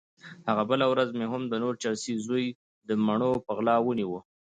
هغه بله ورځ مې هم د نور چرسي زوی د مڼو په غلا ونيو.